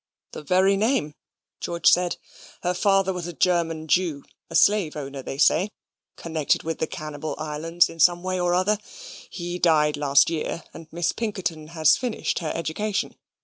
"The very name," George said. "Her father was a German Jew a slave owner they say connected with the Cannibal Islands in some way or other. He died last year, and Miss Pinkerton has finished her education.